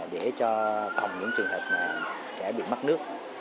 để cho phòng những trường hợp trẻ bị mắc nước